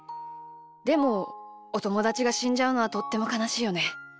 でもおともだちがしんじゃうのはとってもかなしいよね。